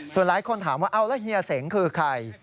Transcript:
ส่วนหลายคนถามว่าเอาแล้วเฮียเสงคือใคร